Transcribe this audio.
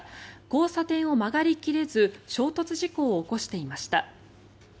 交差点を曲がり切れず衝突事故を起こしていました。